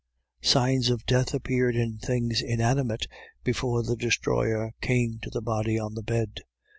Signs of death appeared in things inanimate before the Destroyer came to the body on the bed.